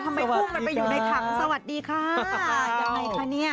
ทำไมคู่มันไปอยู่ในถังสวัสดีค่ะยังไงค่ะเนี้ย